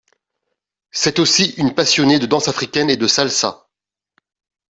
C'est aussi une passionnée de danse africaine et de salsa.